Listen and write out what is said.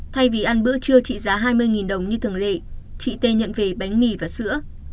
thay vì ăn bữa trưa trị giá hai mươi đồng như thường lệ chị tê nhận về bánh mì và sữa